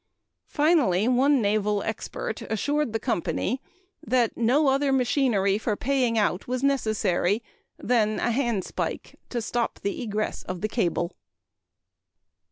Finally, one naval expert assured the company that "no other machinery for paying out was necessary than a handspike to stop the egress of the cable."